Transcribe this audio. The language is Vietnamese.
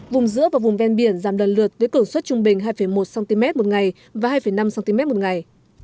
vùng giữa và vùng ven biển giảm đơn lượt với cửa suất trung bình hai một cm một ngày và hai năm cm một ngày